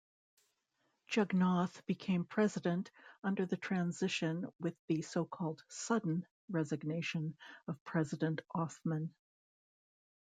Jugnauth became president under the transition with the so-called "sudden" resignation of President Offmann.